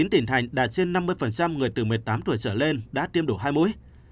chín tỉnh thành đạt trên năm mươi người từ một mươi tám tuổi trở lên đã tiêm đủ hai mũi